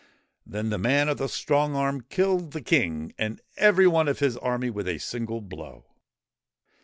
Then the man of the strong arm killed the King and every one of his army with a single blow.